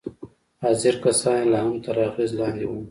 حاضر کسان يې لا هم تر اغېز لاندې وو.